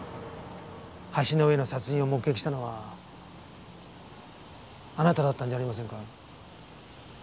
橋の上の殺人を目撃したのはあなただったんじゃありませんか？